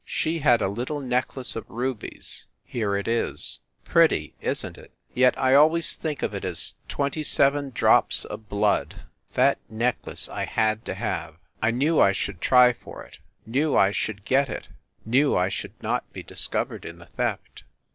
She had a little necklace of rubies. ... Here it is. Pretty, isn t it? Yet I always think of it as twenty seven drops of blood. That necklace I had to have! I knew I should try for it, knew I should get it, knew I should not be discovered in the theft.